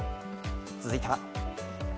続いては。